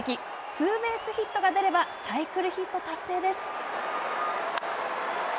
ツーベースヒットが出ればサイクルヒット達成です。